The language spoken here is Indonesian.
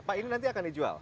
pak ini nanti akan dijual